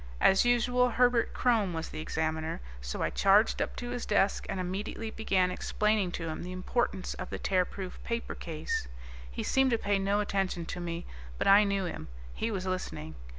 As usual, Herbert Krome was the Examiner, so I charged up to his desk and immediately began explaining to him the importance of the Tearproof Paper Case. He seemed to pay no attention to me, but I knew him; he was listening.